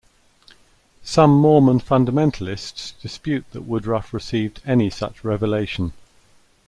Some Mormon fundamentalists dispute that Woodruff received any such revelation.